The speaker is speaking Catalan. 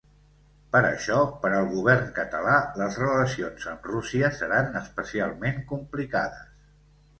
Per això per al govern català les relacions amb Rússia seran especialment complicades.